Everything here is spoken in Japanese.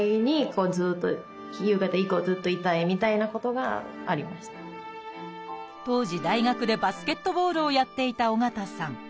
やっぱり夕方とか活動の当時大学でバスケットボールをやっていた緒方さん。